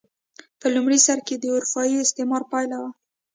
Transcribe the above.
په لومړي سر کې د اروپايي استعمار پایله وه.